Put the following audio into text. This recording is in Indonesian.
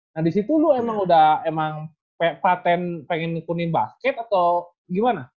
nah disitu lu emang udah emang patent pengen ikutin basket atau gimana